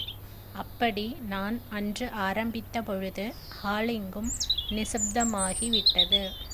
அப்படி நான் அன்று ஆரம்பித்த பொழுது, ஹாலெங்கும் நிசப்தமாகி விட்டது.